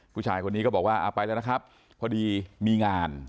ผู้ชายคนนี้ก็บอกว่าเอาไปแล้วนะครับพอดีมีงาน